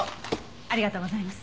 ありがとうございます。